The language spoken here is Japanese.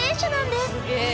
すげえ。